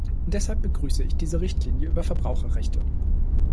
Deshalb begrüße ich diese Richtlinie über Verbraucherrechte.